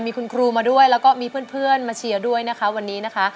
มีคุณครูมาด้วยแล้วก็มีเพื่อนมาเชียร์ด้วยนะคะวันนี้นะคะ